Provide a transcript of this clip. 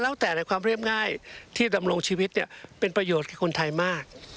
แล้วแต่ในความเรียบง่ายที่ดำรงชีวิตเนี่ยเป็นประโยชน์กับคนไทยมาก